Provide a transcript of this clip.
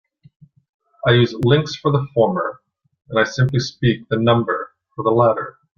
I use "links" for the former and I simply speak the number for the latter.